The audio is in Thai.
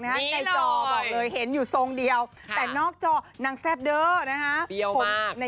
ในจอบอกเลยเห็นอยู่ทรงเดียวแต่นอกจอนางแซ่บเด้อนะฮะ